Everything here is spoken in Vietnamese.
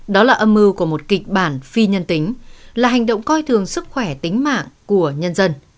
đó là âm mưu của một kịch bản phi nhân tính là hành động coi thường sức khỏe tính mạng của nhân dân